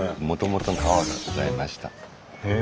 へえ。